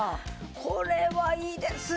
これはいいですね。